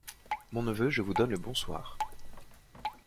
Mon neveu, je vous donne le bonsoir.